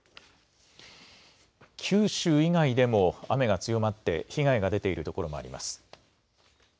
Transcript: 九州以外でも雨が強まって、被害が出ている所もあります。